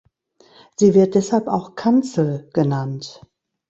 Sie wird deshalb auch Kanzel genannt.